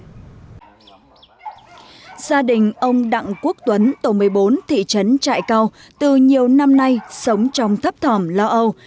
gia đình ông đặng quốc tuấn tổ một mươi bốn thị trấn trại cao từ nhiều năm nay sống trong thấp thỏm lo âu